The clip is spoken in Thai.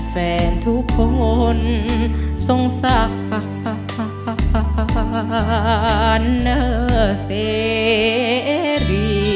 แฟนทุกคนสงสาร